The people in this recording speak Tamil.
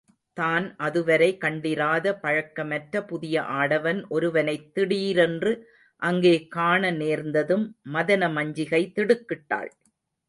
தான் அதுவரை கண்டிராத பழக்கமற்ற புதிய ஆடவன் ஒருவனைத் திடீரென்று அங்கே காண நேர்ந்ததும் மதனமஞ்சிகை திடுக்கிட்டாள்.